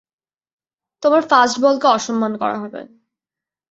তোমার ফাস্টবলকে অসম্মান করা হবে।